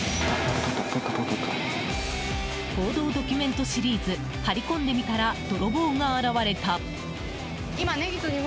報道ドキュメントシリーズ「張り込んでみたらドロボーが現れた」。